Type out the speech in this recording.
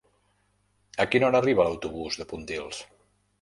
A quina hora arriba l'autobús de Pontils?